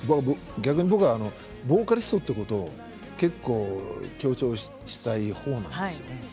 逆に僕はボーカリストということを結構強調したい方なんですよ。